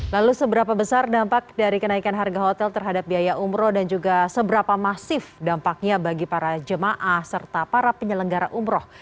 lalu seberapa besar dampak dari kenaikan harga hotel terhadap biaya umroh dan juga seberapa masif dampaknya bagi para jemaah serta para penyelenggara umroh